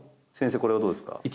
これはどうですか？